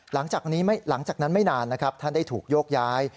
หลังจากนั้นไม่นานนะครับท่านได้ถูกโยกย้าย